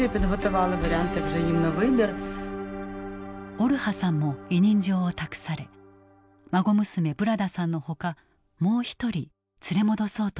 オルハさんも委任状を託され孫娘ブラダさんのほかもう一人連れ戻そうとしていた。